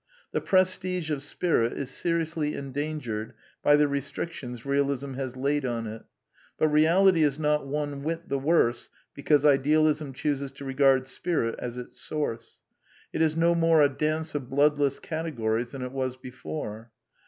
The prestige of Spirit is seriously endangered by the restric tions Bealism has laid on it. But Beality is not one whit the worse because Idealism chooses to regard Spirit as its source. It is no more a dance of bloodless cate gories than it was before.